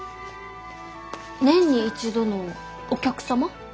年に一度のお客様？